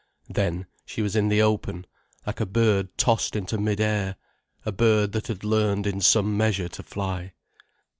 Then, she was in the open, like a bird tossed into mid air, a bird that had learned in some measure to fly.